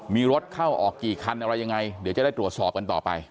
มีรถเข้าออกกี่คันอะไรยังไงเดี๋ยวจะได้ตรวจสอบกันต่อไป